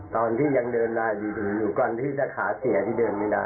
ตอนที่ยังเดินมาอยู่ก่อนที่จะขาเสียที่เดินไม่ได้